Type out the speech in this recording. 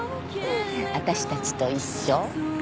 私たちと一緒？